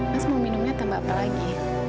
mas mau minumnya tambah apa lagi